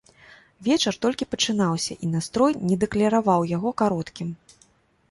Вечар толькі пачынаўся, і настрой не дакляраваў яго кароткім.